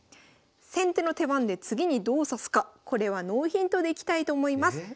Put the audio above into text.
先手の手番で次にどう指すかこれはノーヒントでいきたいと思います。